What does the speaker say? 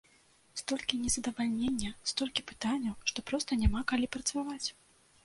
Столькі незадавальнення, столькі пытанняў, што проста няма калі працаваць!